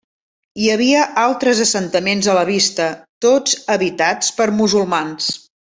Hi havia altres assentaments a la vista, tots habitats per musulmans.